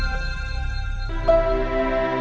ya udah deh